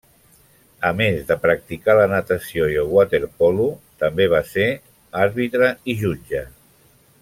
A més de practicar la natació i el waterpolo, també va ser àrbitre i jutge.